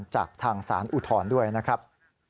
จากทางสารอุทธรณ์ด้วยนะครับ